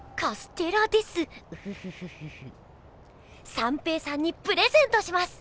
三平さんにプレゼントします！